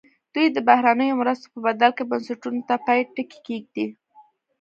دوی د بهرنیو مرستو په بدل کې بنسټونو ته پای ټکی کېږدي.